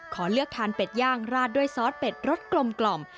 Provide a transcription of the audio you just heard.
ขอเลือกทานเป็ดย่างราดด้วยซอสเป็ดรสกลม